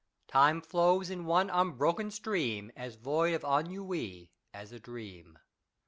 Time flows in one unbroken stream, As void of ennui as a dream.